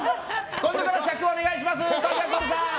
今度から尺お願いします！